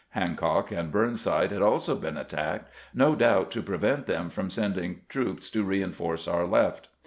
Hancock and Burnside had also been attacked, no doubt to prevent them from sending troops to reinforce our left.